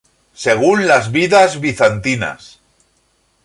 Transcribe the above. Según las "Vidas bizantinas".